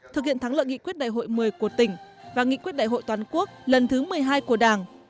thực hiện thắng lợi nghị quyết đại hội một mươi của tỉnh và nghị quyết đại hội toàn quốc lần thứ một mươi hai của đảng